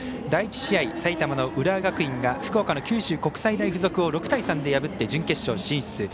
第１試合、埼玉の浦和学院が福岡の九州国際大付属を６対３で破って準決勝進出。